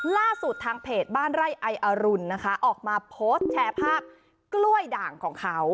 ล่าสุดทางเพจบ้านไร่ไออรุณนะคะออกมาโพสต์แชร์ภาพกล้วยด่างของเขา